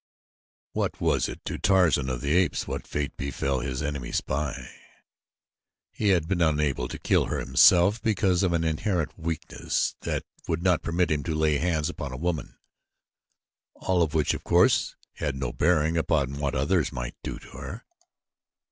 What was it to Tarzan of the Apes what fate befell this enemy spy? He had been unable to kill her himself because of an inherent weakness that would not permit him to lay hands upon a woman, all of which of course had no bearing upon what others might do to her.